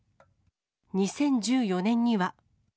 ２０１４年には。